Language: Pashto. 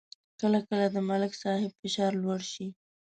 کله کله د ملک صاحب فشار لوړ شي